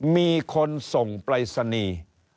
มีคนส่งปลายสนี